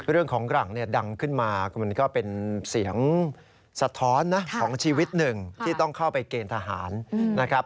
เรื่องของหลังเนี่ยดังขึ้นมามันก็เป็นเสียงสะท้อนนะของชีวิตหนึ่งที่ต้องเข้าไปเกณฑ์ทหารนะครับ